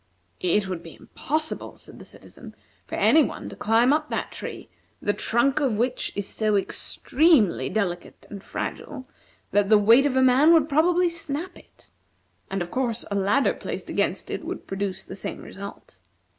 "It would be impossible," said the citizen, "for any one to climb up that tree, the trunk of which is so extremely delicate and fragile that the weight of a man would probably snap it; and, of course, a ladder placed against it would produce the same result.